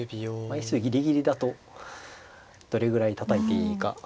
枚数ギリギリだとどれぐらいたたいていいか。